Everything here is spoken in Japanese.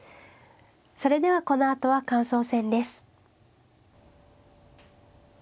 それではこの後は感想戦です。